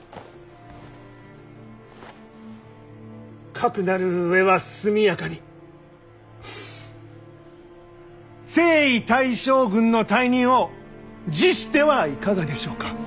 かくなる上は速やかに征夷大将軍の大任を辞してはいかがでしょうか。